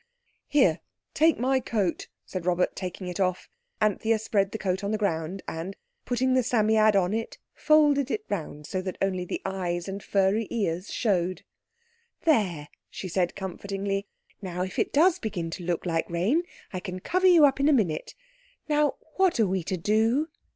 "Here, take my coat," said Robert, taking it off. Anthea spread the coat on the ground and, putting the Psammead on it, folded it round so that only the eyes and furry ears showed. "There," she said comfortingly. "Now if it does begin to look like rain, I can cover you up in a minute. Now what are we to do?"